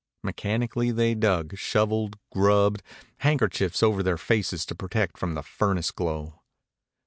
Mechanically they dug, shoveled, grubbed, handkerchiefs over their faces to protect from the furnace glow.